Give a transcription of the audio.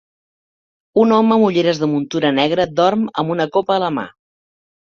un home amb ulleres de muntura negra dorm amb una copa a la mà